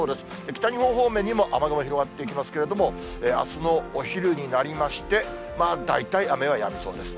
北日本方面にも雨雲広がってきますけれども、あすのお昼になりまして、大体雨の予想です。